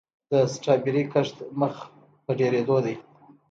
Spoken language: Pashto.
د سټرابیري کښت مخ په ډیریدو دی.